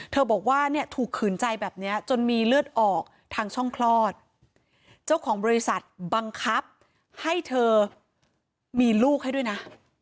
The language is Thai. บอกว่าเนี่ยถูกขืนใจแบบนี้จนมีเลือดออกทางช่องคลอดเจ้าของบริษัทบังคับให้เธอมีลูกให้ด้วยนะ